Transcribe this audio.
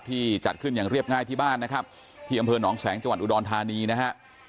จัดขึ้นอย่างเรียบง่ายที่บ้านนะครับที่อำเภอหนองแสงจังหวัดอุดรธานีนะฮะ